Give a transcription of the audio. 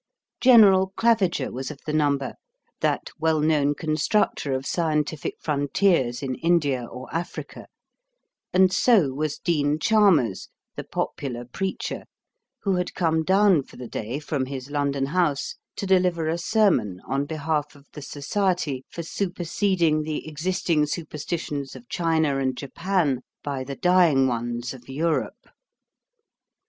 General Claviger was of the number, that well known constructor of scientific frontiers in India or Africa; and so was Dean Chalmers, the popular preacher, who had come down for the day from his London house to deliver a sermon on behalf of the Society for Superseding the Existing Superstitions of China and Japan by the Dying Ones of Europe.